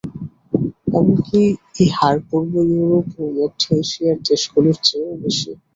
এমনকি এ হার পূর্ব ইউরোপ ও মধ্য এশিয়ার দেশগুলোর চেয়েও বেশি।